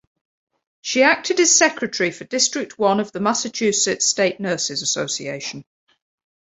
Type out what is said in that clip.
She acted as secretary for District One of the Massachusetts State Nurses Association.